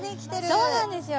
そうなんですよ。